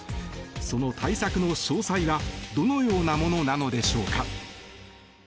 その対策の詳細はどのようなものなのでしょうか。